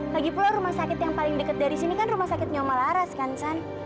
lagipula rumah sakit yang paling deket dari sini kan rumah sakitnya om malaras kan san